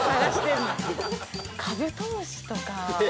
カブトムシとかを。